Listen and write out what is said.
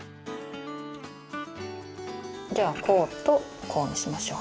じゃあ、こうとこうにしましょう。